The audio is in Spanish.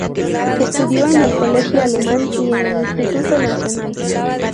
Estudió en el Colegio Alemán y en el Instituto Nacional.